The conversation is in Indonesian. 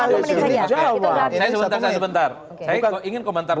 saya sebentar saya ingin komentar